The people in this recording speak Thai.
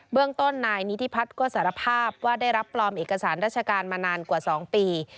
เรื่องต้นนายนิธิพัฒน์ก็สารภาพว่าได้รับปลอมเอกสารราชการมานานกว่า๒ปี